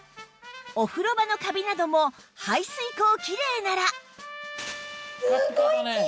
お風呂場のカビなども排水口キレイなら